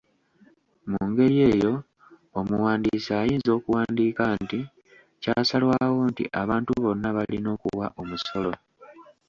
Mu ngeri eyo omuwandiisi ayinza okuwandiika nti kyasalwawo nti abantu bonna balina okuwa omusolo.